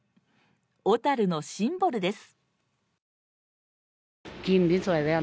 小樽のシンボルです。